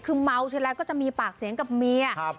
คือเมาที่แล้วก็จะมีปากเสียงกับเมียครับ